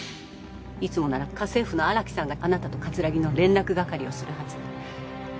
いつもなら家政婦の荒木さんがあなたと葛城の連絡係をするはず。